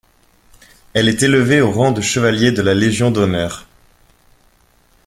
Elle est élevée au rang de chevalier de la Légion d'honneur.